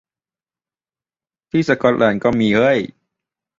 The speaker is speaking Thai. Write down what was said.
ที่สก๊อตแลนด์ก็มีเห้ย